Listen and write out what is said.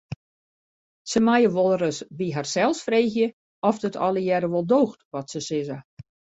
Se meie wolris by harsels freegje oft it allegearre wol doocht wat se sizze.